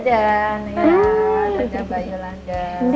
dadah mbak yolanda